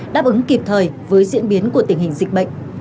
đáp ứng kịp thời với diễn biến của tình hình dịch bệnh